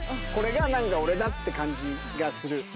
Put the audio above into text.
これが何か俺だって感じがする。